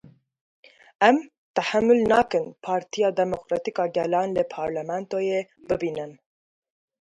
Em tehemûl nakin Partiya Demokratîk a Gelan li parlamentoyê bibînin.